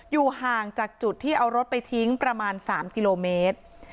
อยู่ห่างจากจุดที่เอารถไปทิ้งประมาณ๓กิโลเมตร